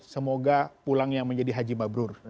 semoga pulangnya menjadi haji mabrur